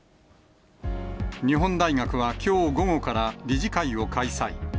日本大学はきょう午後から、理事会を開催。